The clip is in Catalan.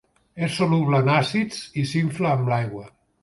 És soluble en àcids i s'infla amb l'aigua.